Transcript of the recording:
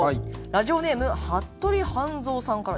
ラジオネーム服部半蔵さんからです。